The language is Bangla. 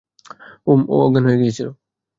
উম, ও, ও অজ্ঞান হয়ে গিয়েছিল।